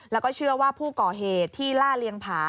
แล้วก็เชื่อว่าผู้ก่อเหตุที่ล่าเลี้ยงผา